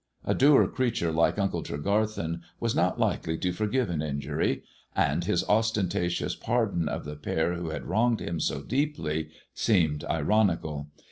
A dour creature like Uncle Tregarthen was not likely to forgive an injury: and his ostentatious pardon of the pair who had wronged him so deeply seemed ironical.